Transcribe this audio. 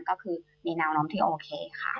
ก็คือมีแนวน้ำที่โอเค